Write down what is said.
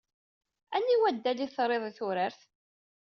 Aniwa addal ay triḍ i turart?